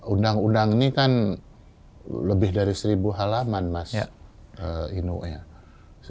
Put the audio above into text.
undang undang ini kan lebih dari seribu halaman mas inu ya